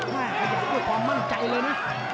กาดเกมสีแดงเดินแบ่งมูธรุด้วย